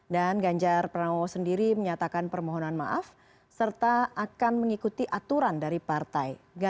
dan ganjar pranowo sendiri menyatakan permohonan maaf serta akan mengikuti aturan dari partai